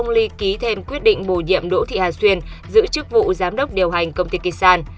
ly ký thêm quyết định bổ nhiệm đỗ thị hà xuyên giữ chức vụ giám đốc điều hành công ty kisan